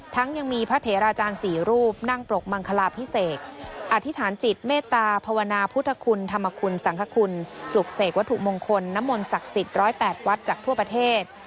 ยังมีพระเถราจารย์๔รูปนั่งปรกมังคลาพิเศษอธิษฐานจิตเมตตาภาวนาพุทธคุณธรรมคุณสังคคุณปลุกเสกวัตถุมงคลน้ำมนต์ศักดิ์สิทธิ์๑๐๘วัดจากทั่วประเทศ